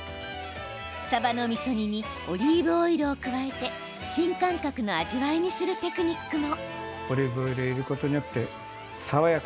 さばのみそ煮にオリーブオイルを加えて新感覚の味わいにするテクニックも。